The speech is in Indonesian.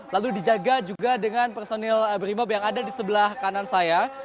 lalu dijaga juga dengan personil brimob yang ada di sebelah kanan saya